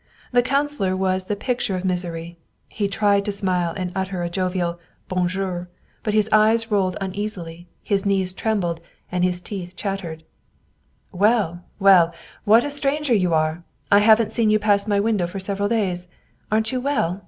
The councilor was the picture of misery. He tried to smile and to utter a jovial " Bonjour," but his 118 Willielm Hauff eyes rolled uneasily, his knees trembled and his teeth chat tered. " Well, well, what a stranger you are ! I haven't seen you pass my window for several days. Aren't you well?